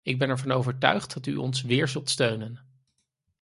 Ik ben ervan overtuigd dat u ons weer zult steunen.